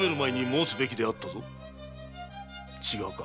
違うか？